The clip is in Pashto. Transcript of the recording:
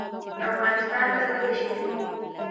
افغانستان ته وتښتي.